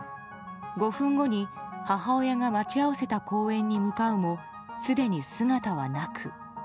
５分後に、母親が待ち合わせた公園に向かうもすでに姿はなく。